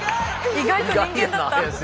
意外と人間だった。